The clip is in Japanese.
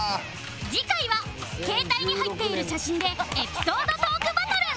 次回は携帯に入っている写真でエピソードトークバトル